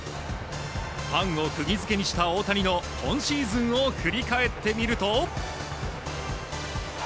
ファンを釘付けにした大谷の今シーズンを振り返ってみると。